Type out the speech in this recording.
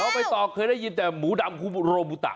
ใบตองเคยได้ยินแต่หมูดำคุโรบุตะ